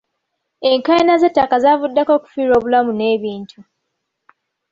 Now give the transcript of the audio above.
Enkaayana z'ettaka zaavuddeko okufiirwa obulamu n'ebintu.